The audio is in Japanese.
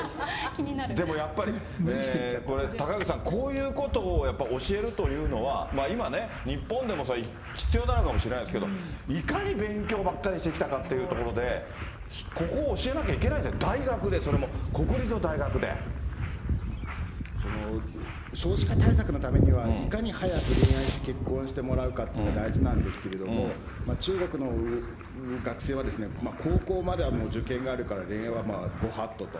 でもやっぱり、これ、高口さん、こういうことをやっぱり教えるというのは、今ね、日本でもそりゃ必要なのかもしれないですけど、いかに勉強ばっかりしてきたかというところで、ここを教えなきゃいけない、大学で、それも、少子化対策のためには、いかに早く恋愛して、結婚してもらうかというのが大事なんですけれども、中国の学生は高校まではもう受験があるから恋愛はご法度と。